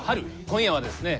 今夜はですね